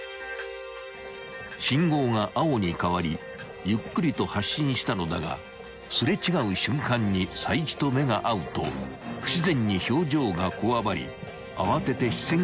［信号が青に変わりゆっくりと発進したのだが擦れ違う瞬間に齋木と目が合うと不自然に表情がこわばり慌てて視線をそらしたのだという］